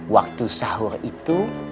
waktu sahur itu